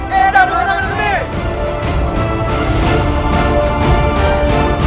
hidup rangga gini